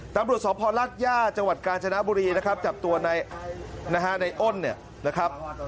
ตำรวจสพลาดย่าจังหวัดกาญจนบุรีนะครับจับตัวในอ้นเนี่ยนะครับ